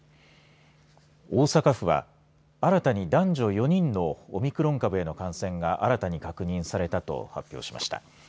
大阪府は新たに男女４人のオミクロン株への感染が新たに感が確認されたと発表しました。